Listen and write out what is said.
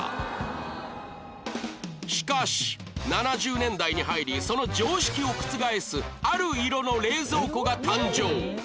しかし７０年代に入りその常識を覆すある色の冷蔵庫が誕生